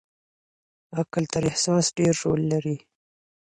عقل تر احساس ډېر رول لري.